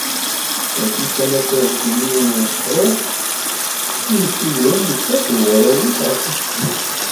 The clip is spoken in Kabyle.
Tagi d tamacahut n yiwen n wefruɣ i yettidiren netta akked warraw-is ɣef useklu.